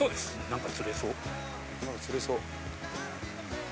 何か釣れそう。